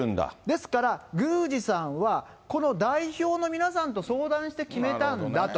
ですから宮司さんは、この代表の皆さんと相談して決めたんだと。